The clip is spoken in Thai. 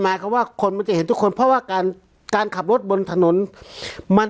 หมายความว่าคนมันจะเห็นทุกคนเพราะว่าการการขับรถบนถนนมัน